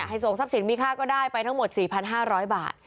ส่งทรัพย์สินมีค่าก็ได้ไปทั้งหมด๔๕๐๐บาท